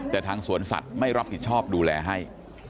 แต่ทางสวนสัตว์ไม่รับผิดชอบดูแลให้